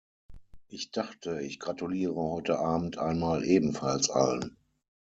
Ich dachte, ich gratuliere heute abend einmal ebenfalls allen.